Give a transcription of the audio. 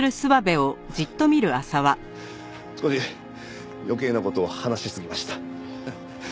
少し余計な事を話しすぎました。